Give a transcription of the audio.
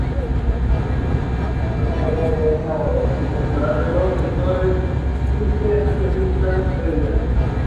The river flows across an uninhabited area.